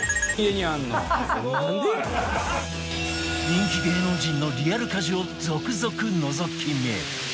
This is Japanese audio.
人気芸能人のリアル家事を続々のぞき見